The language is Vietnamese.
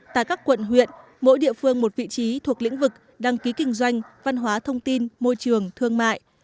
tại các quận huyện mỗi địa phương một vị trí thuộc lĩnh vực đăng ký kinh doanh văn hóa thông tin môi trường thương mại